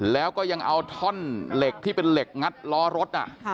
แล้วก็ยังเอาท่อนเหล็กที่เป็นเหล็กงัดล้อรถ